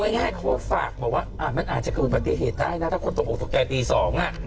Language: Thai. เอาง่ายเขาฝากบอกว่าอ่ะมันอาจจะเป็นปฏิเหตุได้นะถ้าคนตกออกตกแก่ตี๒อ่ะ